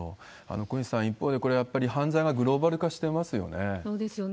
小西さん、一方で、これやっぱり犯罪がグローバル化していますよね。